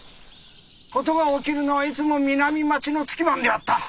事が起きるのはいつも南町の月番であった。